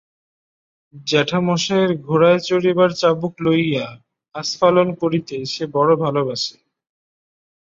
জ্যাঠামশায়ের ঘোড়ায় চড়িবার চাবুক লইয়া আস্ফালন করিতে সে বড়ো ভালোবসে।